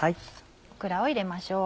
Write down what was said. オクラを入れましょう。